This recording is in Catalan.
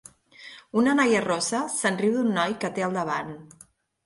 Una noia rossa se'n riu d'un noi que té al davant.